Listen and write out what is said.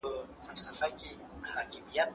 ټولنپوهنه د تعصب پر ضد مبارزه کوي.